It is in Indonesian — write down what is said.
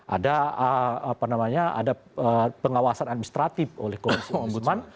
ada apa namanya ada pengawasan administratif oleh komisi ombusman